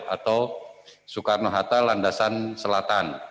atau soekarno hatta landasan selatan